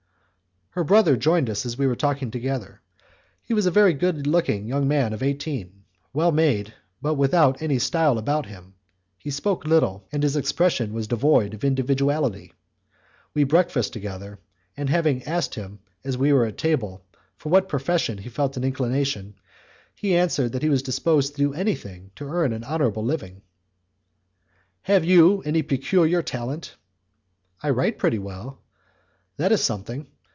Her brother joined us as we were talking together. He was a good looking young man of eighteen, well made, but without any style about him; he spoke little, and his expression was devoid of individuality. We breakfasted together, and having asked him as we were at table for what profession he felt an inclination, he answered that he was disposed to do anything to earn an honourable living. "Have you any peculiar talent?" "I write pretty well." "That is something.